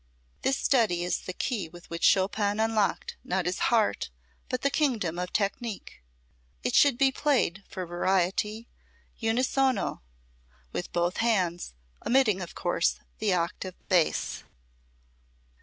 This study is the key with which Chopin unlocked not his heart, but the kingdom of technique. It should be played, for variety, unisono, with both hands, omitting, of course, the octave bass.